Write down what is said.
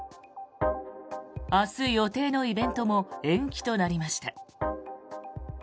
明日予定のイベントも延期となりました。